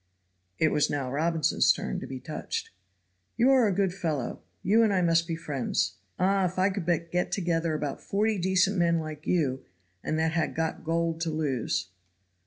It was now Robinson's turn to be touched. "You are a good fellow. You and I must be friends. Ah! if I could but get together about forty decent men like you, and that had got gold to lose."